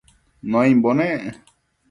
Nuaimbo nec